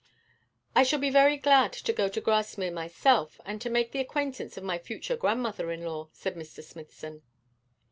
'I shall be very glad to go to Grasmere myself, and to make the acquaintance of my future grandmother in law,' said Mr. Smithson.